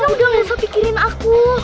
udah lesa pikirin aku